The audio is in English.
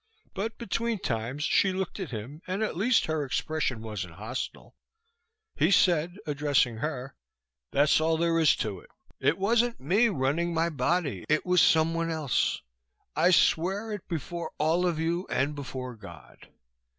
But between times she looked at him and at least her expression wasn't hostile. He said, addressing her: "That's all there is to it. It wasn't me running my body. It was someone else. I swear it before all of you, and before God."